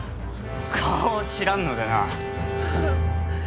顔を知らんのでな。